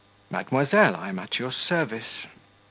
"Mademoiselle, I am at your service."